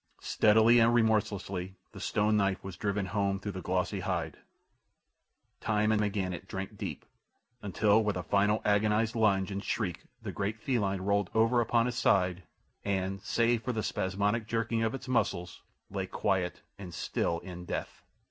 Steadily and remorselessly the stone knife was driven home through the glossy hide—time and again it drank deep, until with a final agonized lunge and shriek the great feline rolled over upon its side and, save for the spasmodic jerking of its muscles, lay quiet and still in death.